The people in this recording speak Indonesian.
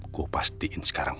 gua pastiin sekarang